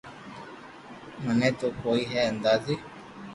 مني تو ڪوئي ھي اندازي